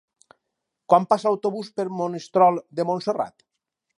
Quan passa l'autobús per Monistrol de Montserrat?